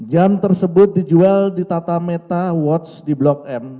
jam tersebut dijual di tata meta watch di blok m